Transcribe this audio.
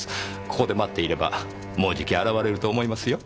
ここで待っていればもうじき現れると思いますよ。